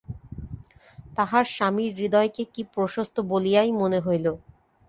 তাহার স্বামীর হৃদয়কে কী প্রশস্ত বলিয়াই মনে হইল!